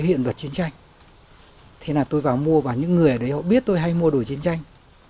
hiện vật chiến tranh thế là tôi vào mua và những người ở đấy họ biết tôi hay mua đồ chiến tranh